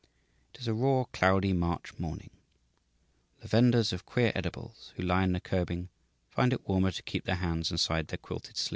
It is a raw, cloudy, March morning; the vendors of queer edibles who line the curbing find it warmer to keep their hands inside their quilted sleeves.